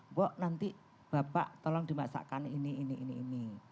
mbok nanti bapak tolong dimasakkan ini ini ini ini